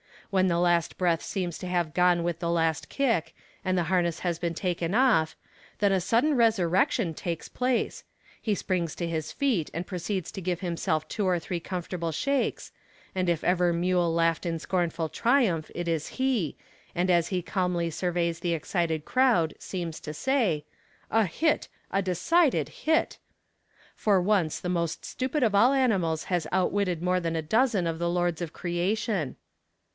When the last breath seems to have gone with the last kick, and the harness has been taken off, then a sudden resurrection takes place. He springs to his feet, and proceeds to give himself two or three comfortable shakes, and if ever mule laughed in scornful triumph it is he, and as he calmly surveys the excited crowd, seems to say: 'A hit! a decided hit!' For once the most stupid of all animals has outwitted more than a dozen of the lords of creation.